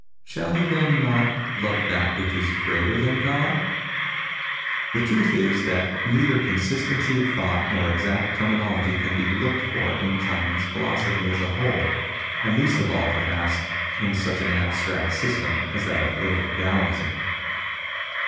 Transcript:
Shall he, then, not love that which is greater than God ?" The truth is that neither consistency of thought nor exact terminology can be looked for in Chinese philosophy as a whole, and least of all, perhaps, in such an abstract system as that of early Taoism.